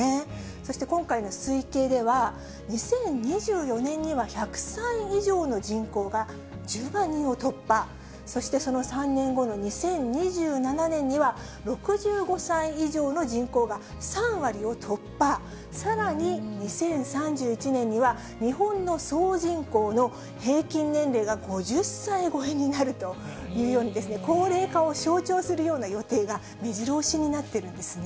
そして今回の推計では、２０２４年には１００歳以上の人口が１０万人を突破、そしてその３年後の２０２７年には、６５歳以上の人口が３割を突破、さらに２０３１年には日本の総人口の平均年齢が５０歳超えになるというようにですね、高齢化を象徴するような予定がめじろ押しになってるんですね。